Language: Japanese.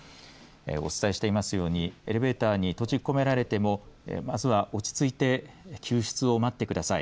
お伝えしていますようにエレベーターに閉じ込められてもまずは落ち着いて救出を待ってください。